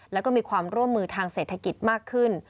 แล้วก็มีความร่วมมือทางเศรษฐกิจมากขึ้น